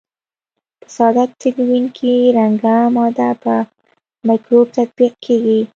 په ساده تلوین کې رنګه ماده په مکروب تطبیق کیږي.